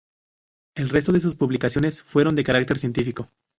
El resto de sus publicaciones fueron de carácter científico.